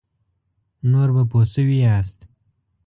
نور به پوه شوي یاست.